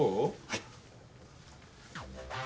はい。